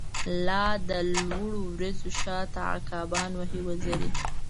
لا د لوړو وریځو شا ته، عقابان وهی وزری